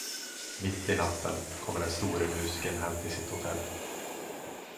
Mitt i natten kommer den store musikern hem till sitt hotell.